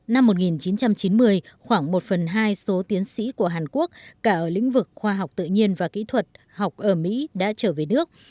năm một nghìn chín trăm chín mươi khoảng một phần hai số tiến sĩ của hàn quốc cả ở lĩnh vực khoa học tự nhiên và kỹ thuật học ở mỹ đã trở về nước